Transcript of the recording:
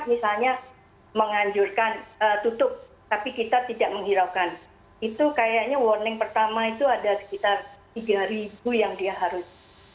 misalnya menganjurkan tutup tapi kita tidak menghiraukan itu kayaknya warning pertama itu ada sekitar tiga yang dia harus